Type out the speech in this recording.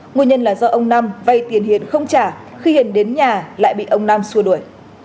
nguồn nhân là do ông năm vây tiền hiền không trả khi hiền đến nhà lại bị ông năm xua đuổi